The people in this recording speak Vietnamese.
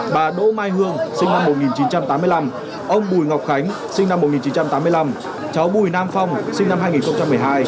bà đỗ mai hương sinh năm một nghìn chín trăm tám mươi năm ông bùi ngọc khánh sinh năm một nghìn chín trăm tám mươi năm cháu bùi nam phong sinh năm hai nghìn một mươi hai